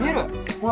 ほら。